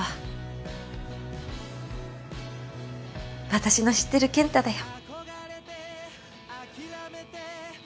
私の知ってる健太だよ。